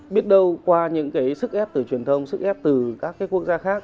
biết đâu qua những cái sức ép từ truyền thông sức ép từ các cái quốc gia khác